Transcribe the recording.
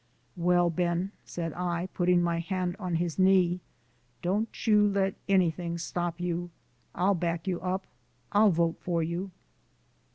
"Well, Ben," said I, putting my hand on his knee, "don't you let anything stop you. I'll back you up; I'll vote for you."